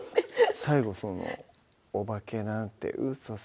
最後その「おばけなんてうそさ」